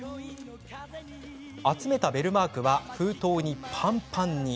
集めたベルマークは封筒にパンパンに。